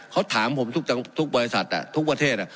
เขาถามผมทุกบริษัททุกประเทศ